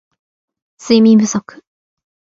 睡眠不足